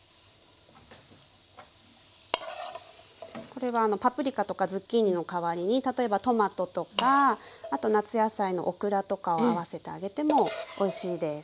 これはパプリカとかズッキーニの代わりに例えばトマトとかあと夏野菜のオクラとかを合わせてあげてもおいしいです。